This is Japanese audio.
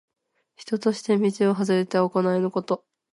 人としての道をはずれた行いのこと。